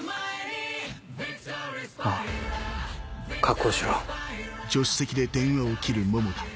ああ確保しろ。